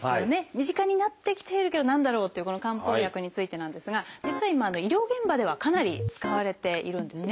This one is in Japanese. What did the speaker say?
身近になってきているけど何だろうっていうこの漢方薬についてなんですが実は今医療現場ではかなり使われているんですね。